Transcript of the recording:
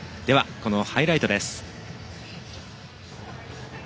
ハイライトです。